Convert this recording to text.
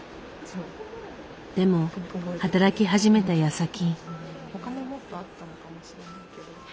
でも働き始めたやさき。